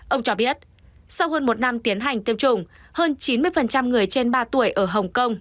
ông cho biết sau hơn một năm tiến hành tiêm chủng hơn chín mươi người trên ba tuổi ở hồng kông